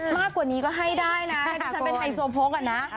มากกว่านี้ก็ให้ได้นะที่ฉันเป็นไฮโซโพกอะนะ